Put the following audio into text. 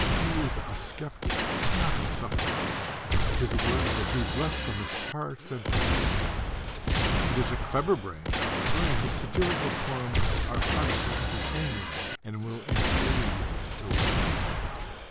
He is a sceptic, not a sufferer. His work proceeds less from his heart than from his brain. It is a clever brain, however, and his satirical poems are harshly entertaining and will infuriate the right people.